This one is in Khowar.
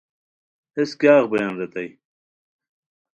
ہیس کیاغ بویان ریتائے